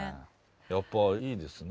やっぱいいですね